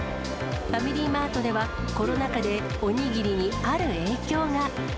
ファミリーマートでは、コロナ禍でおにぎりにある影響が。